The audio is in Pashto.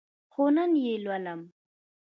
هو، نن یی لولم